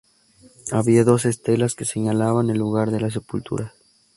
Había doce estelas que señalaban el lugar de las sepulturas.